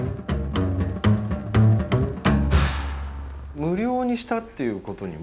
無料にしたっていうことにも。